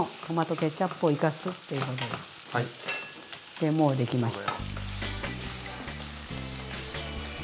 でもうできました。